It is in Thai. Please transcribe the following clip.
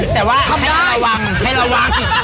แต่ว่าให้เราระวัง